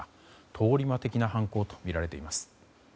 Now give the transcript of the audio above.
通り魔的な犯行とみられています。